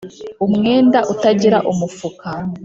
umwenda utagira umufuka